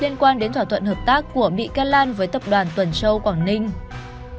liên quan đến thỏa thuận hợp tác của bị can lan với tập đoàn tuần châu quảng ninh